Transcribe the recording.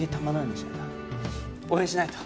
応援しないと。